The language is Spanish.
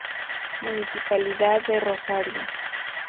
Municipalidad de Rosario.